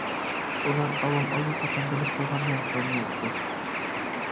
ئۇلار ئاۋام ئاللىقاچان بىلىپ بولغان نەرسىلەرنى يازىدۇ.